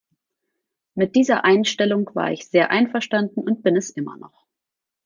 Mit dieser Einstellung war ich sehr einverstanden und bin es immer noch.